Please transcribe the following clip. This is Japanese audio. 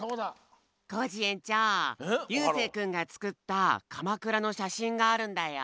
コージえんちょうゆうせいくんがつくったかまくらのしゃしんがあるんだよ。